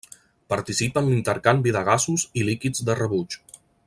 Participa en l'intercanvi de gasos i líquids de rebuig.